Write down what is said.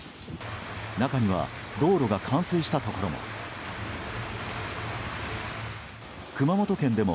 中には道路が冠水したところも。